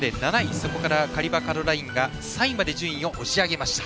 そこからカリバ・カロラインが３位まで順位を押し上げました。